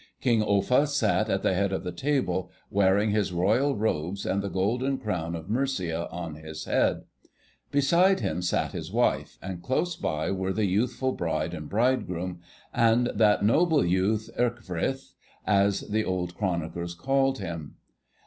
King Offa sat at the head of the table, wearing his royal robes and the golden crown of Mercia on his head. Beside him sat his wife, and close by were the youthful bride and bridegroom, and 'that noble youth Ecgfrith' as the old chroniclers call him.